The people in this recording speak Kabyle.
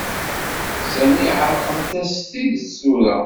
Sami ɛerqent-as s tidet tura.